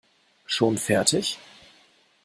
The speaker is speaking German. Schon fertig?